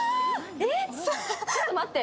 え、ちょっと待って。